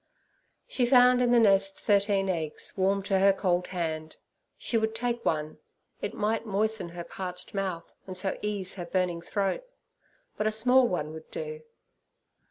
She found in the nest thirteen eggs, warm to her cold hand. She would take one: it might moisten her parched mouth and so ease her burning throat; but a small one would do.